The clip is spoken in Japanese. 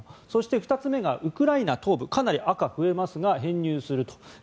そして２つ目がウクライナ東部かなり赤が増えますが編入すると。